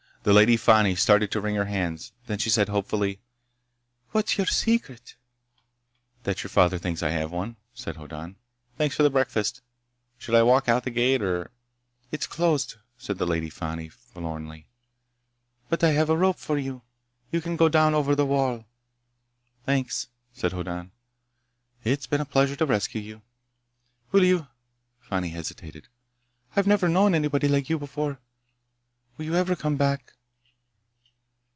The Lady Fani started to wring her hands. Then she said hopefully: "What's your secret?" "That your father thinks I have one," said Hoddan. "Thanks for the breakfast. Should I walk out the gate, or—" "It's closed," said the Lady Fani forlornly. "But I have a rope for you. You can go down over the wall." "Thanks," said Hoddan. "It's been a pleasure to rescue you." "Will you—" Fani hesitated. "I've never known anybody like you before. Will you ever come back?"